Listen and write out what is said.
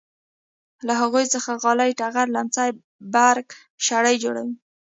له هغو څخه غالۍ ټغرې لیمڅي برک شړۍ جوړوي.